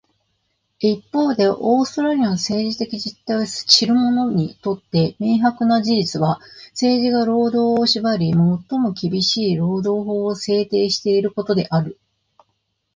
一方で、オーストラリアの政治的実態を知る者にとって明白な事実は、政治が労働を縛り、最も厳しい労働法を制定していることである。